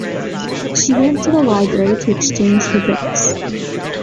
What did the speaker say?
She went to the library to exchange her books.